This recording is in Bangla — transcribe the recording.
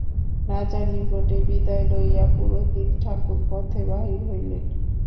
রাজার নিকটে বিদায় লইয়া পুরোহিত ঠাকুর পথে বাহির হইলেন।